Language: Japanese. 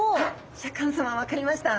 シャーク香音さま分かりました？